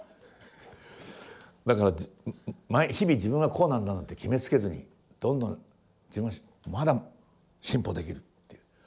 だから日々自分はこうなんだなんて決めつけずにどんどん自分はまだ進歩できるっていう。